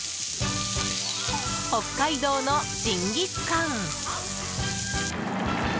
北海道のジンギスカン。